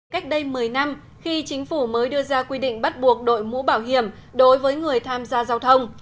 cách đây một mươi năm khi chính phủ mới đưa ra quy định bắt buộc đội mũ bảo hiểm đối với người tham gia giao thông